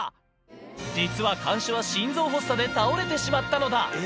実は看守は心臓発作で倒れてしまったのだ。